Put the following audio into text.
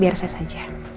biar saya saja